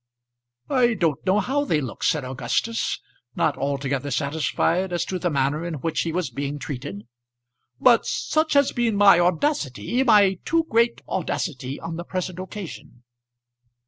"I don't know how they look," said Augustus, not altogether satisfied as to the manner in which he was being treated "but such has been my audacity, my too great audacity on the present occasion."